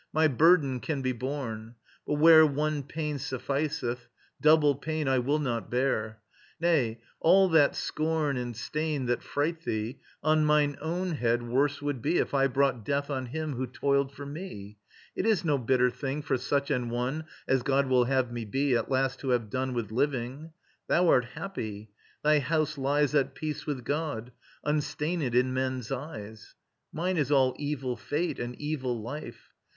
My burden can be borne; But where one pain sufficeth, double pain I will not bear. Nay, all that scorn and stain That fright thee, on mine own head worse would be If I brought death on him who toiled for me. It is no bitter thing for such an one As God will have me be, at last to have done With living. THOU art happy; thy house lies At peace with God, unstained in men's eyes; Mine is all evil fate and evil life